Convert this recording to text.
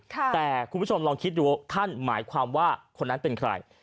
แต่คุณผู้ชมลองคิดดูท่านหมายความว่าคนนั้นเป็นใคร